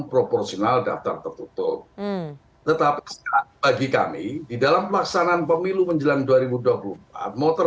proporsional daftar tertutup tetapi bagi kami di dalam pelaksanaan pemilu menjelang dua ribu dua puluh empat motor